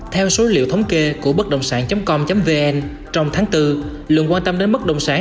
theo số liệu thống kê của bấtđồngsản com vn trong tháng bốn lượng quan tâm đến bất đồng sản